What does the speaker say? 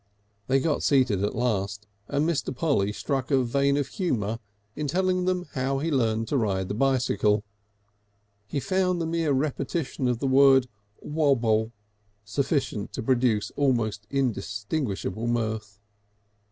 They got seated at last, and Mr. Polly struck a vein of humour in telling them how he learnt to ride the bicycle. He found the mere repetition of the word "wabble" sufficient to produce almost inextinguishable mirth.